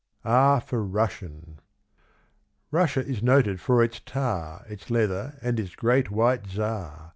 R for Russian. Russia is noted for its tar, Its leather, and its great, white Czar.